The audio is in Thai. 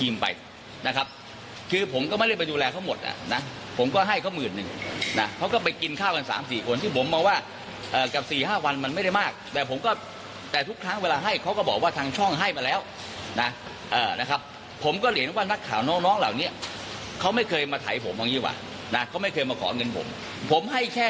แล้วถาวนี้เขาไม่เคยมาไถผมแบบนี้เขาไม่เคยมาขอเงินผม